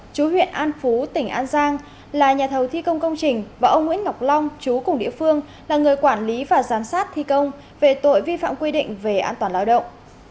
chú huyện an phú tỉnh an giang là nhà thầu thi công công trình và ông nguyễn ngọc long chú cùng địa phương là người quản lý và giám sát thi công về tội vi phạm quy định về an toàn lao động